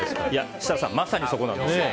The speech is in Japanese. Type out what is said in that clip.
設楽さん、まさにそこなんです。